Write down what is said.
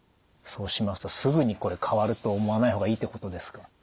そうしますとすぐにこれ変わると思わない方がいいってことですか。